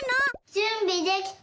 じゅんびできた。